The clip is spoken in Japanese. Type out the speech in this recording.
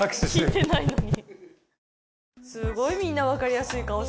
聞いてないのに！